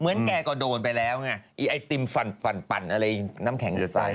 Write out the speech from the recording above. เหมือนแกก็โดนไปแล้วไอติมฟันปั่นอะไรน้ำแข็งสาย